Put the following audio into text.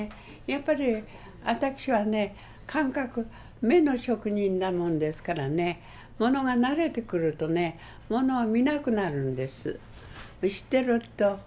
やっぱり私はね感覚目の職人なもんですからねモノが慣れてくるとねモノを見なくなるんです知ってると。